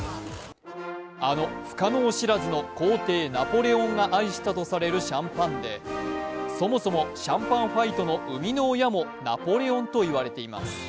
あの不可能知らずの皇帝・ナポレオンが愛したとされるシャンパンでそもそもシャンパンファイトの生みの親もナポレオンと言われています。